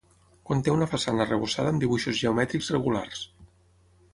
Conté una façana arrebossada amb dibuixos geomètrics regulars.